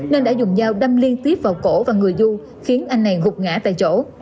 nên đã dùng dao đâm liên tiếp vào cổ và người du khiến anh này gục ngã tại chỗ